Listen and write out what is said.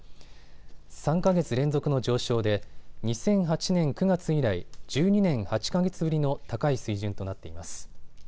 ３か月連続の上昇で２００８年９月以来１２年８か月ぶりの高い水準となっています。